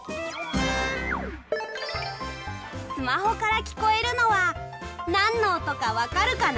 スマホからきこえるのはなんのおとかわかるかな？